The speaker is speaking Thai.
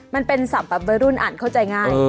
มันเป็นสำหรับรุ่นอ่านเข้าใจง่าย